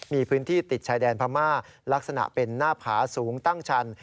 มีพื้นที่ติดชายแดนพม่าลักษณะเป็นหน้าผาสูงตั้งชัน